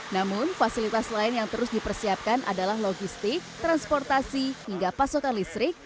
namun fasilitas lain yang terus dipersiapkan adalah logistik transportasi hingga pasokan listrik